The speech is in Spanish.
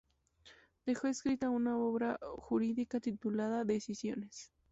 Dejó escrita una obra jurídica titulada "Decisiones".